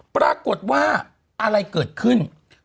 ปรากฏว่าอะไรเกิดขึ้น